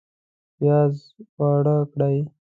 پیاز واړه کړئ